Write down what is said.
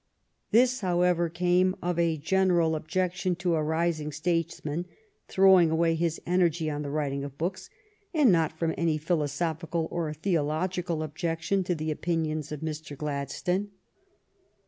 This, however, came of a general objection to a rising statesman throwing away his energy on the writing of books, and not from any philosophical or theological objection to the opinions of Mr. Glad stone.